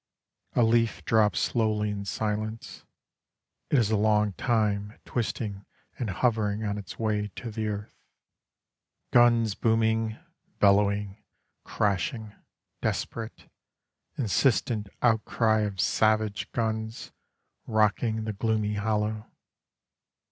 A leaf drops slowly in silence; It is a long time twisting and hovering on its way to the earth. Guns booming, Bellowing, Crashing, Desperate. Insistent outcry of savage guns, Rocking the gloomy hollow.